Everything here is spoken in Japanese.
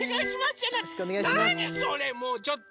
なにそれもうちょっと！